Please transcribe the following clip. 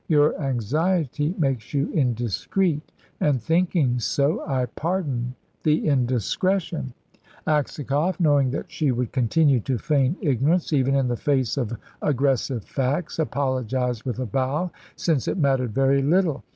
Your anxiety makes you indiscreet, and thinking so, I pardon the indiscretion." Aksakoff, knowing that she would continue to feign ignorance, even in the face of aggressive facts, apologised with a bow, since it mattered very little.